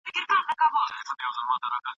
ریشتیا د « بېنوا » یې کړ داستان څه به کوو؟